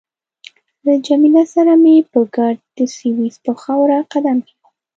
له جميله سره مې په ګډه د سویس پر خاوره قدم کېښود.